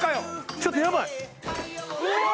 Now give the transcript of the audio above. ちょっとやばい！